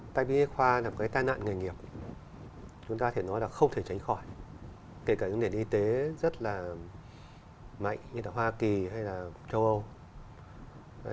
tại vì y khoa là một cái tai nạn nghề nghiệp chúng ta thể nói là không thể tránh khỏi kể cả những nền y tế rất là mạnh như là hoa kỳ hay là châu âu